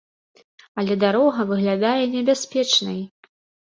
Але дарога выглядае небяспечнай.